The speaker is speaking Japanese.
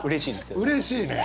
うれしいね。